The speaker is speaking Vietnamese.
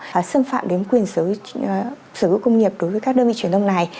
và xâm phạm đến quyền sử dụng công nghiệp đối với các đơn vị truyền thông này